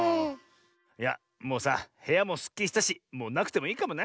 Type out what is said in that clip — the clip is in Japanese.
いやもうさへやもすっきりしたしもうなくてもいいかもな。